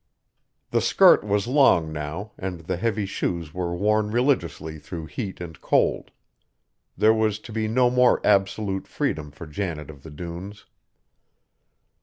The skirt was long now, and the heavy shoes were worn religiously through heat and cold. There was to be no more absolute freedom for Janet of the Dunes.